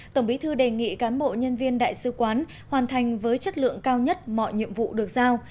tổng bí thư đề nghị cán bộ nhân viên đại sứ quán hoàn thành với chất lượng cao nhất mọi nhiệm vụ được giao